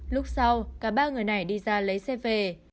lúc sau cả ba người này đi ra lấy xe về